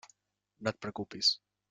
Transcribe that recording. No et preocupis.